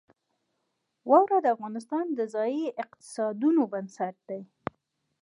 واوره د افغانستان د ځایي اقتصادونو بنسټ دی.